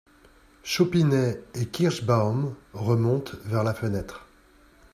Chopinet et Kirschbaum remontent vers la fenêtre.